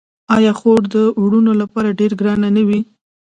آیا خور د وروڼو لپاره ډیره ګرانه نه وي؟